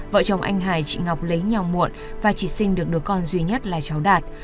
vợ chồng anh hải chị ngọc lấy nhau muộn và chỉ sinh được đứa con duy nhất là cháu đạt